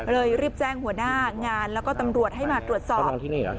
รีบแจ้งหัวหน้างานแล้วก็ตำรวจให้มาตรวจสอบ